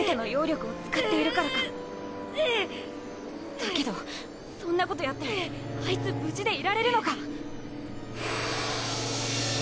だけどそんなことやってあいつ無事でいられるのか？